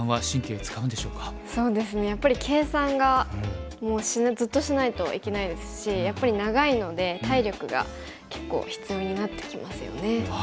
やっぱり計算がもうずっとしないといけないですしやっぱり長いので体力が結構必要になってきますよね。